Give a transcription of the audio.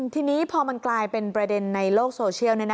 ทีนี้พอมันกลายเป็นประเด็นในโลกโซเชียล